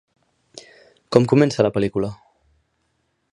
Com comença la pel·lícula?